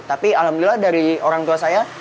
tapi alhamdulillah dari orang tua saya